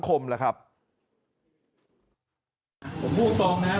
ผมพูดตรงนะครับวันนี้พลักษณ์เก้าไกร